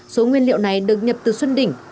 số nguyên liệu này được nhập từ xuân đỉnh